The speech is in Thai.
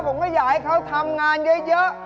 ผมก็อยากให้เขาทำงานเยอะ